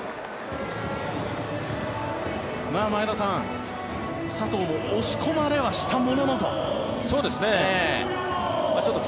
前田さん、佐藤も押し込まれはしたもののと。